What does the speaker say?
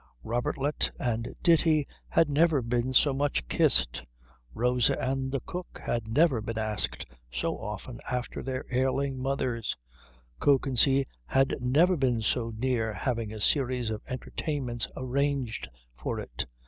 Robertlet and Ditti had never been so much kissed; Rosa and the cook had never been asked so often after their ailing mothers; Kökensee had never been so near having a series of entertainments arranged for it.